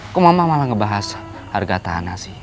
kok mama malah ngebahas harga tanah sih